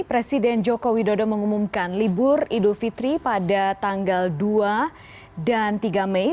presiden joko widodo mengumumkan libur idul fitri pada tanggal dua dan tiga mei